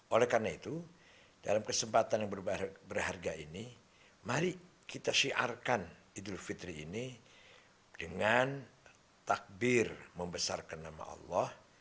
oleh karena itu dalam kesempatan yang berharga ini mari kita syiarkan idul fitri ini dengan takbir membesarkan nama allah